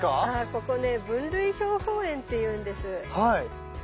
ここね分類標本園っていうんです。